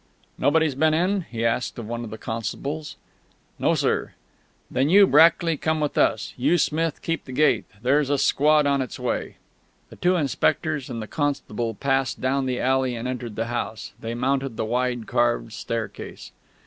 "Nobody's been in?" he asked of one of the constables. "No, sir." "Then you, Brackley, come with us; you, Smith, keep the gate. There's a squad on its way." The two inspectors and the constable passed down the alley and entered the house. They mounted the wide carved staircase.